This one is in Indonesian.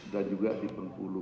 dan juga di pengkulu